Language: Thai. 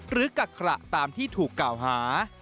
หรือกักขระตามที่ถูกเก่าหา